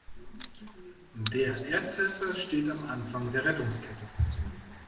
Der Ersthelfer steht am Anfang der Rettungskette.